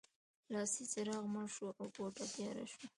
لاسي څراغ مړ شو او کوټه تیاره شوه